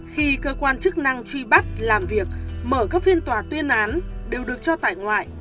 khi cơ quan chức năng truy bắt làm việc mở các phiên tòa tuyên án đều được cho tại ngoại